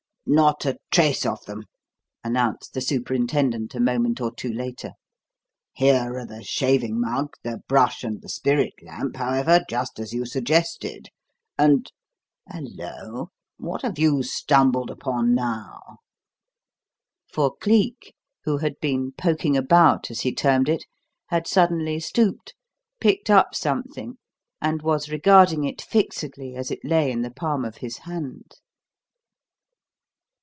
"Not a trace of them," announced the superintendent a moment or two later. "Here are the shaving mug, the brush, and the spirit lamp, however, just as you suggested; and Hallo! what have you stumbled upon now?" For Cleek, who had been "poking about," as he termed it, had suddenly stooped, picked up something, and was regarding it fixedly as it lay in the palm of his hand.